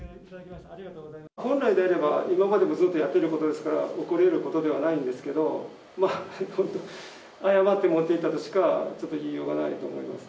本来であれば、今までもずっとやっていることですから、起こりうることではないんですけど、誤って持っていったとしか、ちょっと言いようがないと思います。